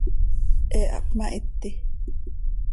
He ha hpmahiti.